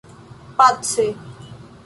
pace